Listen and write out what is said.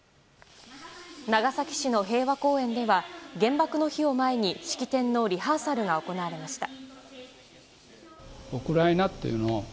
長崎市の平和公園では原爆の日を前に式典のリハーサルが行われました。